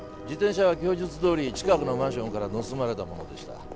自転車は供述どおり近くのマンションから盗まれたものでした。